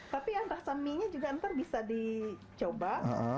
tapi yang rasa mie nya juga nanti bisa dicoba